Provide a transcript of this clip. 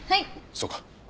そうか。